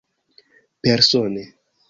persone